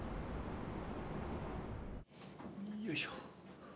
よいしょ。